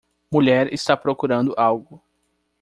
Mulher está procurando algo.